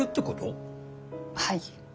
はい。